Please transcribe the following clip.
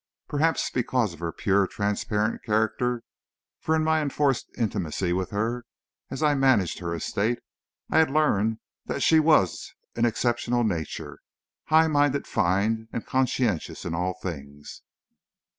Perhaps because of her pure, transparent character, for in my enforced intimacy with her, as I managed her estate, I had learned that she was an exceptional nature, high minded, fine, and conscientious in all things.